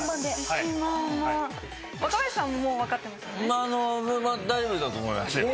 若林さんも分かってますよね？